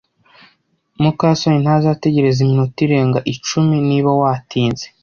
muka soni ntazategereza iminota irenga icumi niba watinze.